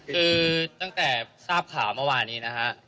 คือตั้งแต่ทราบข่าวเมื่อวานนี้นะฮะ